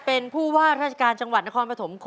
เป็นผู้ว่าราชการจังหวัดนครปฐม